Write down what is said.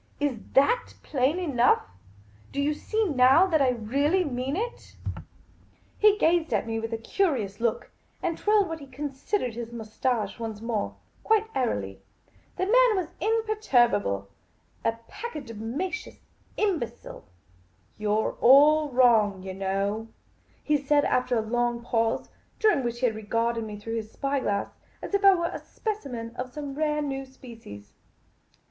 " Is that plain enough ? Do you see now that I really mean it ?" 232 Miss Cayley's Adventures He gazed at me with a curious look, and twiried what he considered his moustache once more, quite airil}'. The man was imperturbable — a pachydermatous imbecile. " You 're all wrong, yah know," he said, after a long pause, during which he had regarded me through his eye glass as if I were a specimen of some rare new species.